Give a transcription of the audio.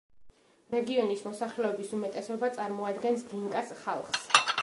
რეგიონის მოსახლეობის უმეტესობა წარმოადგენს დინკას ხალხს.